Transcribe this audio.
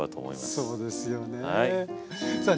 そうですよね。